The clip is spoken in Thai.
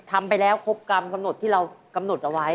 ทำไปแล้วครบตามกำหนดที่เรากำหนดเอาไว้